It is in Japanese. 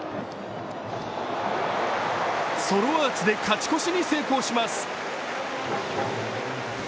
ソロアーチで勝ち越しに成功します。